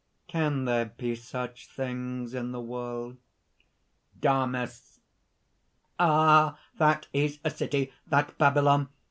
"Can there be such things in the world?" DAMIS. "Ah! that is a city! that Babylon!